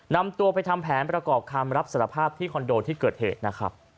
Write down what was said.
นำตัวไปทำแผนประกอบคำรับสารภาพที่คอนโดที่เกิดเหตุนะครับ